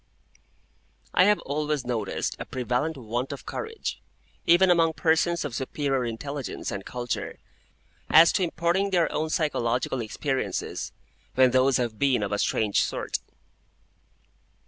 I HAVE always noticed a prevalent want of courage, even among persons of superior intelligence and culture, as to imparting their own psychological experiences when those have been of a strange sort.